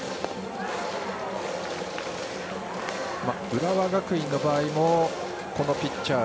浦和学院の場合もこのピッチャー